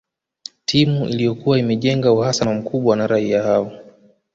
Timu Iliyokuwa imejenga uhasama mkubwa na raia hao